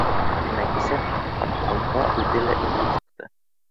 Бына кисә парткомға үҙе лә инеп сыҡты: